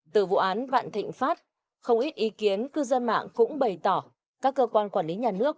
từ vụ án vạn thịnh pháp không ít ý kiến cư dân mạng cũng bày tỏ các cơ quan quản lý nhà nước